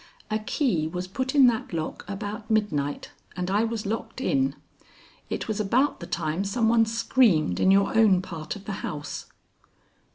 "A key was put in that lock about midnight, and I was locked in. It was about the time some one screamed in your own part of the house."